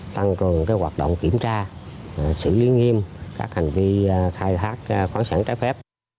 tăng cường hoạt động kiểm tra xử lý nghiêm các hành vi khai thác khoáng sản trái phép